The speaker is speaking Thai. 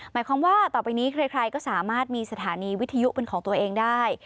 หมายความว่าต่อไปนี้ใครก็สามารถมีสถานีวิทยุเป็นของตัวเองได้